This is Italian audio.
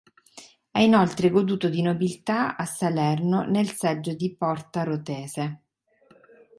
Ha inoltre goduto di nobiltà a Salerno nel Seggio di Portarotese.